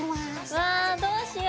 わぁどうしよう。